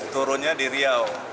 turunnya di riau